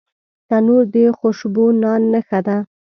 تنور د خوشبو نان نښه ده